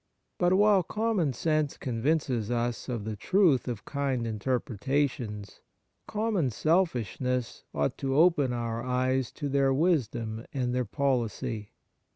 But while common sense convinces us of the truth of kind interpretations, common selfishness ought to open our eyes to their wisdom and their policy.